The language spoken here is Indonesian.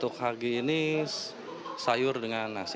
tukagi ini sayur dengan nasi